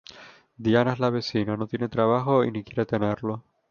Diana es la vecina, no tiene trabajo, y ni quiere tenerlo.